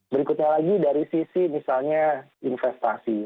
berikutnya lagi dari sisi misalnya investasi